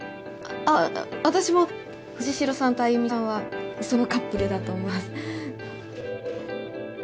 あぁ私も藤代さんとあゆみさんは理想のカップルだと思います。